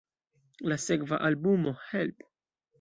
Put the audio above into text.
La sekva albumo "Help!